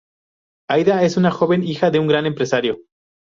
Aida es una joven hija de un gran empresario.